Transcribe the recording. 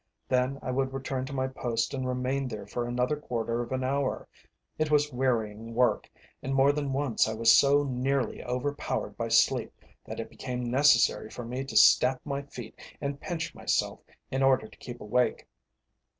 Then I would return to my post and remain there for another quarter of an hour. It was wearying work, and more than once I was so nearly over powered by sleep that it became necessary for me to stamp my feet and pinch myself in order to keep awake.